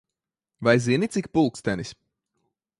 Vai zini, cik pulkstenis?